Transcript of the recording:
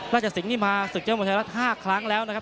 ราชสิงนี่มาศึกเจ้ามวงชายรัฐ๕ครั้งแล้วนะครับ